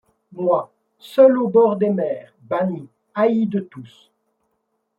Moi, seul au bord des mers, banni, haï de tous